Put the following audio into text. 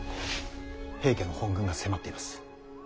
平家の本軍が迫っています。